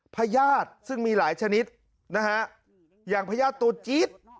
พญาติซึ่งมีหลายชนิดนะฮะอย่างพญาติตัวจี๊ด